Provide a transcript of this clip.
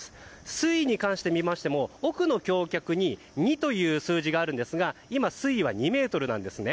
水位に関してみましても奥の橋脚に２という数字があるんですが今、水位は２ｍなんですね。